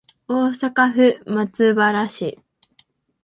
大阪府松原市